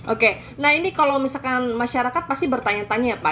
oke nah ini kalau misalkan masyarakat pasti bertanya tanya ya pak